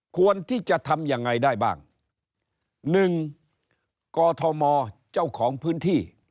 ควรที่จะทำยังไงได้บ้างหนึ่งกอทมเจ้าของพื้นที่